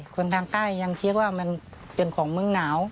คนทางใต้ยังคิดว่ามันเป็นของมึงหนาว